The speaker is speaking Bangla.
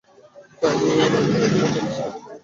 চাইনি এই আনন্দময় সময়টা মিস করুন।